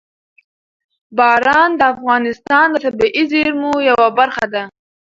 باران د افغانستان د طبیعي زیرمو یوه برخه ده.